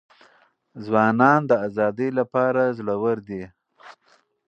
ځوانان د ازادۍ لپاره زړه ور دي.